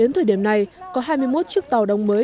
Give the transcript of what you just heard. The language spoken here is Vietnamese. đến thời điểm này có hai mươi một chiếc tàu đóng mới